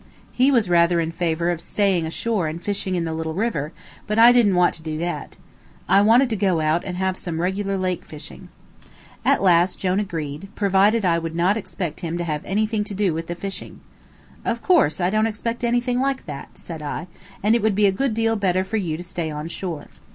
He was rather in favor of staying ashore and fishing in the little river, but I didn't want to do that. I wanted to go out and have some regular lake fishing. At last Jone agreed, provided I would not expect him to have anything to do with the fishing. "Of course I don't expect anything like that," said I; "and it would be a good deal better for you to stay on shore.